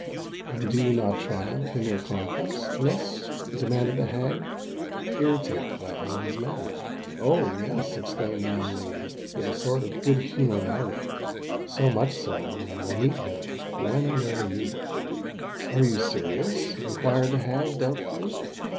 "And do you not triumph in your conquest, Miss?" demanded the hag, irritated by Ellen's manner. "Oh! yes," exclaimed the young lady, with a sort of good humoured irony; "so much so, that I will meet him when and where you will." "Are you serious?" inquired the hag, doubtfully.